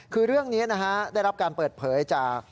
คือเรื่องนี้นะฮะได้รับการเปิดเผยจาก